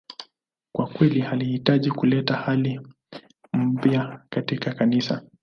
Kweli alijitahidi kuleta hali mpya katika Kanisa.